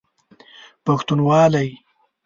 پښتونوالی